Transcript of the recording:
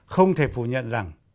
không thể phủ nhận rằng